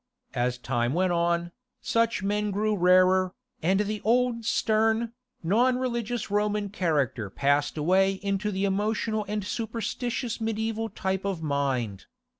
As time went on, such men grew rarer, and the old stern, non religious Roman character passed away into the emotional and superstitious mediæval type of mind.